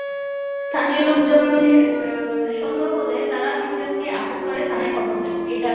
স্থানীয় লোকজনের সন্দেহ হলে তাঁরা তিনজনকেই আটক করে থানায় খবর দেন।